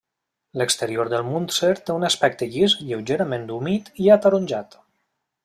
L'exterior del Munster té un aspecte llis, lleugerament humit i ataronjat.